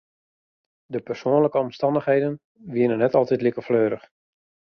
De persoanlike omstannichheden wiene net altiten like fleurich.